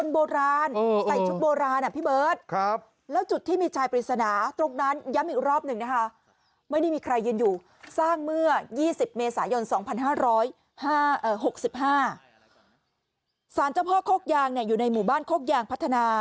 สารเจ้าพ่อโคกยางอยู่ในหมู่บ้านโคกยางพัฒนา